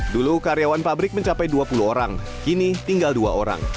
dulu karyawan pabrik mencapai dua puluh orang kini tinggal dua orang